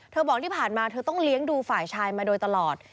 บอกที่ผ่านมาเธอต้องเลี้ยงดูฝ่ายชายมาโดยตลอด